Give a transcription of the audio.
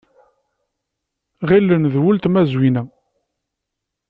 Ɣilen d uletma Zwina.